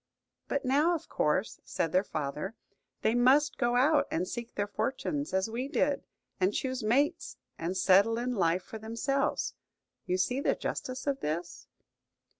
"But now, of course," said their father, "they must go out and seek their fortunes, as we did, and choose mates, and settle in life for themselves. You see the justice of this?"